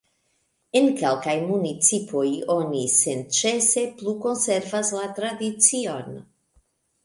En kelkaj municipoj oni senĉese plu konservas la tradicion.